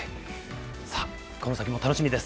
この先も楽しみです。